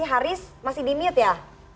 haris masih di mute ya